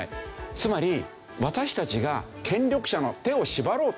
つまり私たちが権力者の手を縛ろうと。